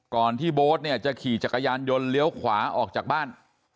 ก่อนที่โบสถ์จะขี่จักรยานยนต์เลี้ยวขวาออกจากบ้าน